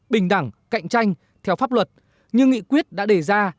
bình đẳng cạnh tranh theo pháp luật như nghị quyết đã đề ra